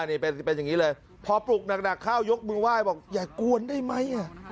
นี่เป็นอย่างนี้เลยพอปลุกหนักเข้ายกมือไหว้บอกอย่ากวนได้ไหม